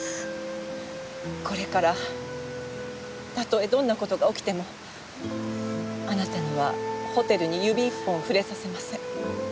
これからたとえどんな事が起きてもあなたにはホテルに指一本触れさせません。